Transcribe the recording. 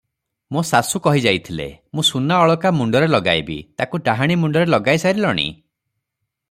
ମୋ ଶାଶୁ କହି ଯାଇଥିଲେ, ମୁଁ ସୁନା ଅଳକା ମୁଣ୍ଡରେ ଲଗାଇବି, ତାକୁ ଡାହାଣୀ ମୁଣ୍ଡରେ ଲଗାଇ ସାରିଲାଣି?